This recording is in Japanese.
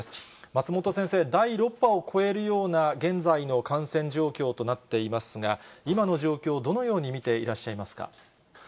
松本先生、第６波を超えるような現在の感染状況となっていますが、今の状況、どのように見ていらっしゃいますか。